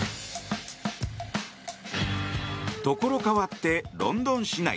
ところ変わって、ロンドン市内。